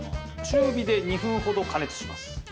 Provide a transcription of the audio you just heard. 中火で２分ほど加熱します。